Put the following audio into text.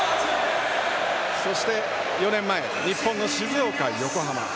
そして４年前日本の静岡、横浜。